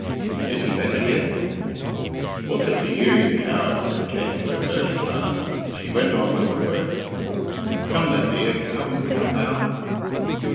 "Is he better yet?" "What's it to you, you coward?" said Kate, with a burning glance. She went on with her work: "Come then, dear, come, come now."